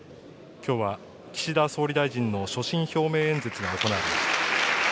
きょうは岸田総理大臣の所信表明演説が行われました。